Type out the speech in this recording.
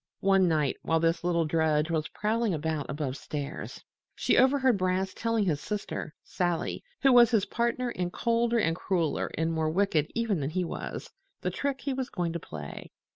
One night, while this little drudge was prowling about above stairs, she overheard Brass telling his sister, Sally (who was his partner and colder and crueler and more wicked even than he was), the trick he was going to play.